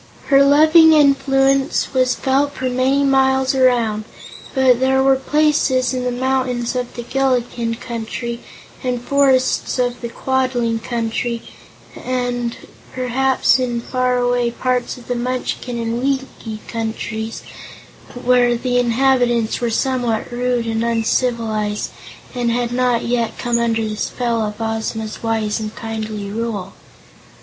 Her loving influence was felt for many miles around, but there were places in the mountains of the Gillikin Country, and the forests of the Quadling Country, and perhaps in far away parts of the Munchkin and Winkie Countries, where the inhabitants were somewhat rude and uncivilized and had not yet come under the spell of Ozma's wise and kindly rule.